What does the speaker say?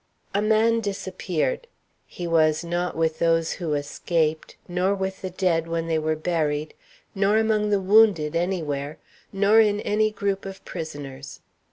a man disappeared. He was not with those who escaped, nor with the dead when they were buried, nor among the wounded anywhere, nor in any group of prisoners.